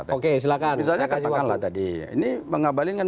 misalnya katakanlah tadi ini mengabalin dengan